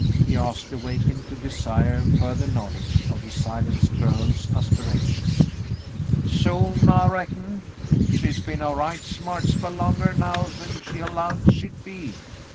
^^" he asked, awakened to desire further knowledge of the silent girl's aspirations. "Soon, I reckon. She's been a right smart spell longah now 'n she 'lowed she'd be.